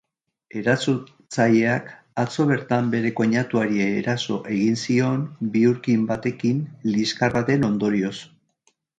Erasotzaileak atzo bertan bere koinatuari eraso egin zion bihurkin batekin liskar baten ondorioz.